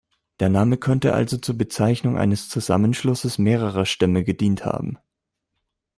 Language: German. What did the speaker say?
Der Name könnte also zur Bezeichnung eines Zusammenschlusses mehrerer Stämme gedient haben.